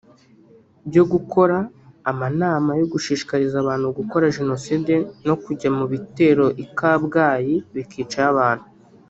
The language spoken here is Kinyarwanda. byo gukora amanama yo gushishikariza abantu gukora genocide no kujya mu bitero i Kabgayi bikicayo abantu